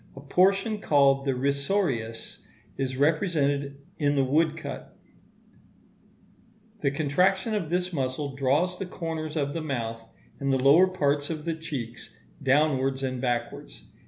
A portion, called the risorius, is represented in the woodcut (M) fig. 2. The contraction of this muscle draws the corners of the mouth and the lower parts of the checks downwards and backwards.